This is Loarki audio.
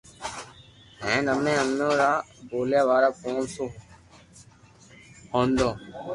ھين امي اي را ٻوليا وارا پونچ سو خوندون